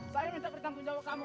saya minta pertanggung jawab kamu